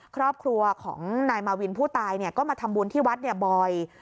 ครอบครัวของนายมาวินผู้ตายก็มาทำบุญที่วัดบ่อย